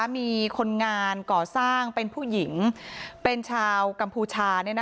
มีคนงานก่อสร้างเป็นผู้หญิงเป็นชาวกัมพูชา